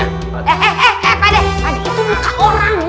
eh eh eh pade